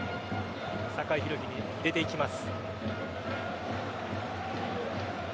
酒井宏樹に入れていきます。